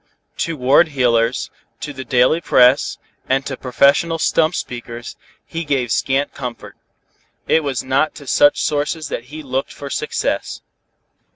To ward heelers, to the daily press, and to professional stump speakers, he gave scant comfort. It was not to such sources that he looked for success.